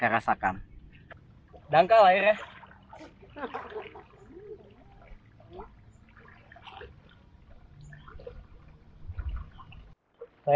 dan ini adalah langkah yang mereka lakukan